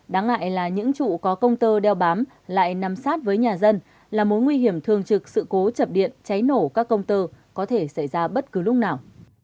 đáng ngại là những trụ có công tơ đeo bám lại nằm sát với nhà dân là mối nguy hiểm thường trực sự cố chập điện cháy nổ các công tơ có thể xảy ra bất cứ lúc nào